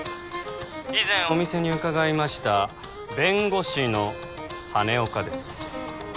以前お店に伺いました弁護士の羽根岡です